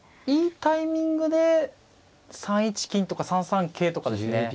いいタイミングで３一金とか３三桂とかですね